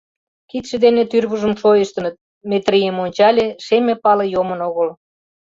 Кидше дене тӱрвыжым шойыштыныт, Метрийым ончале: шеме пале йомын огыл.